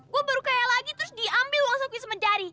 gue baru kaya lagi terus diambil uang saku sama daddy